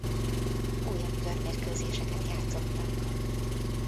Újabb körmérkőzéseket játszottak.